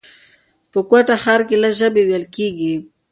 په کوټه ښار کښي لس ژبي ویل کېږي